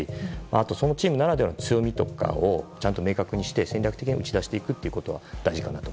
あと、そのチームならではの強みとかを明確にして戦略的に打ち出していくことかなと。